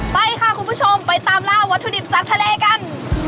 ไปค่ะคุณผู้ชมไปตามล่าวัตถุดิบจากทะเลกัน